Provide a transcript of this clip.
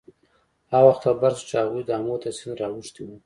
هغه وخت خبر شو چې هغوی د آمو تر سیند را اوښتي وو.